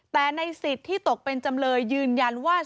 แต่ในสิทธิ์ที่ตกเป็นจำเลยยืนยันว่า